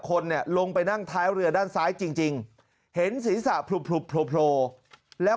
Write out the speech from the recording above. คนลงไปนั่งท้ายเหลือด้านซ้ายจริงเห็นศีรษะพลุปแล้ว